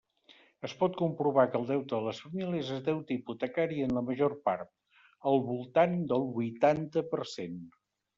Es pot comprovar que el deute de les famílies és deute hipotecari en la major part, al voltant del huitanta per cent.